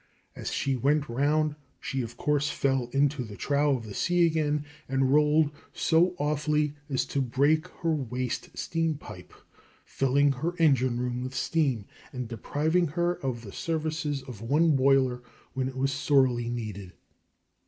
As she went round she, of course, fell into the trough of the sea again, and rolled so awfully as to break her waste steampipe, filling her engine room with steam, and depriving her of the services of one boiler when it was sorely needed.